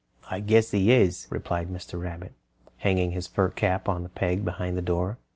"I guess he is," replied Mr. Rabbit, hanging his fur cap on a peg behind the door.